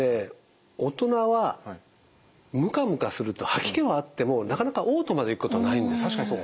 大人はムカムカすると吐き気はあってもなかなかおう吐までいくことはないんです。